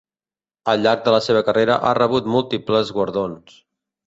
Al llarg de la seva carrera ha rebut múltiples guardons.